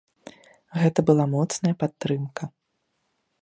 Гэта была моцная падтрымка.